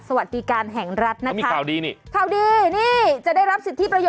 ใช้เมียได้ตลอด